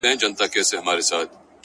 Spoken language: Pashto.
• دغه زرين مخ،